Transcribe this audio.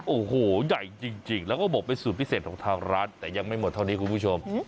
โอ้โหใหญ่จริงแล้วก็บอกเป็นสูตรพิเศษของทางร้านแต่ยังไม่หมดเท่านี้คุณผู้ชม